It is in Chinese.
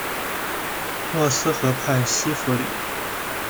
默斯河畔西夫里。